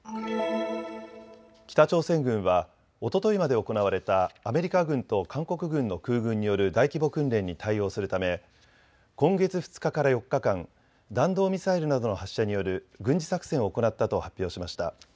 北朝鮮軍はおとといまで行われたアメリカ軍と韓国軍の空軍による大規模訓練に対応するため今月２日から４日間、弾道ミサイルなどの発射による軍事作戦を行ったと発表しました。